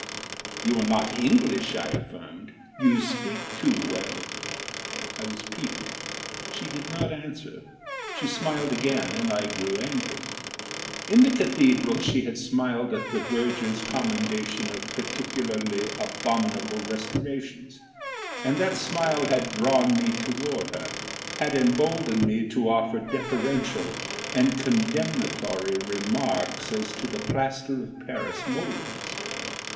"You are not English," I affirmed. "You speak too well." I was piqued. She did not answer. She smiled again and I grew angry. In the cathedral she had smiled at the verger's commendation of particularly abominable restorations, and that smile had drawn me toward her, had emboldened me to offer deferential and condemnatory remarks as to the plaster of Paris mouldings.